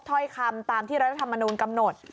ถ้อยคำตามที่รัฐธรรมนูลกำหนด